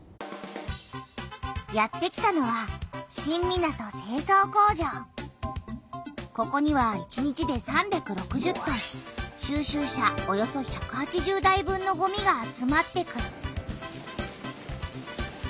やってきたのはここには１日で３６０トン収集車およそ１８０台分のごみが集まってくる。